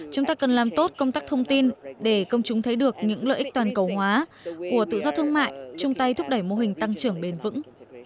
chúng ta cần làm tốt công tác thông tin để công chúng thấy được những lợi ích toàn cầu hóa của tự do thương mại chung tay thúc đẩy mô hình tăng trưởng bền vững